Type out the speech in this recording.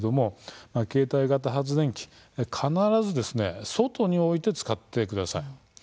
携帯型発電機は必ず外に置いて使うようにしてください。